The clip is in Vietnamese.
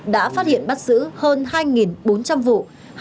đã phát hiện bắt xử hơn hai bốn trăm linh vụ